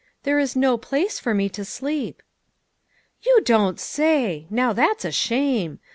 "There is no place for me to sleep." " You don't say ! Now that's a shame.